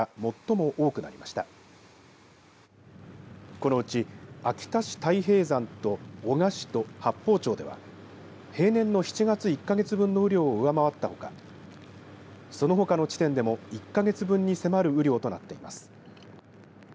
このうち、秋田市太平山と男鹿市と八峰町では平年の７月１か月分の雨量を上回ったほかそのほかの地点でも１か月分に迫る雨量となっています。